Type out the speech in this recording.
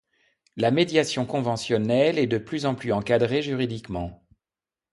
La médiation conventionnelle est de plus en plus encadrée juridiquement.